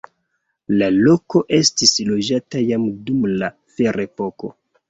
La loko estis loĝata jam dum la ferepoko.